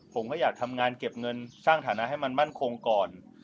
ผมก็อยากทำงานเก็บเงินสร้างฐานะให้มันมั่นคงก่อน